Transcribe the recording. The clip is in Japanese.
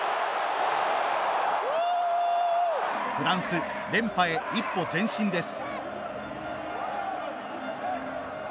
フランス、連覇へ一歩前進です。